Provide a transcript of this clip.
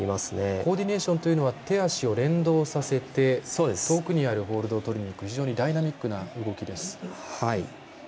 コーディネーションは手足を連動させて遠くにあるホールドをとりにいく非常にダイナミックな動きです。